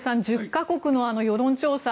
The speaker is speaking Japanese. １０か国の世論調査